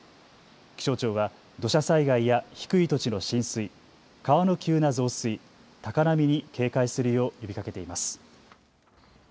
気象庁は土砂災害や低い土地の浸水、川の急な増水、高波に警戒するよう呼びかけています。